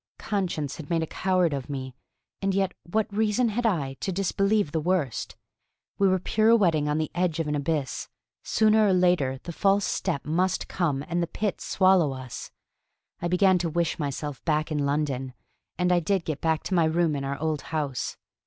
Conscience had made a coward of me, and yet what reason had I to disbelieve the worst? We were pirouetting on the edge of an abyss; sooner or later the false step must come and the pit swallow us. I began to wish myself back in London, and I did get back to my room in our old house.